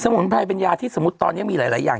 มุนไพรเป็นยาที่สมมุติตอนนี้มีหลายอย่าง